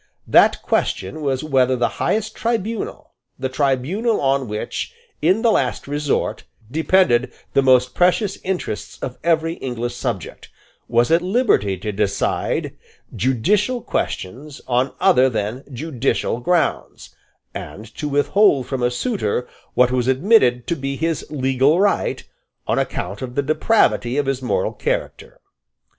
That question was whether the highest tribunal, the tribunal on which, in the last resort, depended the most precious interests of every English subject, was at liberty to decide judicial questions on other than judicial grounds, and to withhold from a suitor what was admitted to be his legal right, on account of the depravity of his moral character.